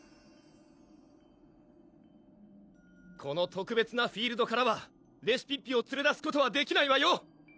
この特別なフィールドからはレシピッピをつれ出すことはできないわよ！